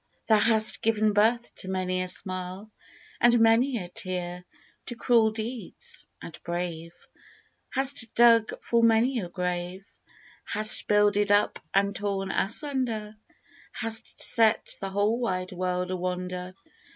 Thou hast given birth To many a smile And many a tear To cruel deeds, and brave, 'Hast dug full many a grave, 'Hast builded up and torn asunder, 'Hast set the whole wide world awonder.